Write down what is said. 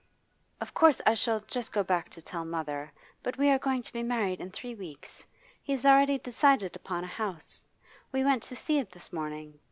'Of course I shall just go back to tell mother, but we are going to be married in three weeks. He has already decided upon a house; we went to see it this morning.